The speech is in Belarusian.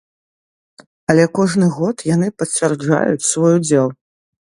Але кожны год яны пацвярджаюць свой удзел.